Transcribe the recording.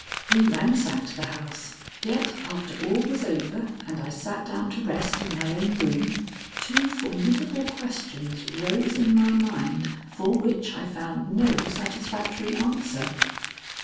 We ransacked the house, yet after all was over and I sat down to rest in my own room, two formidable questions rose in my mind for which I found no satisfactory answer.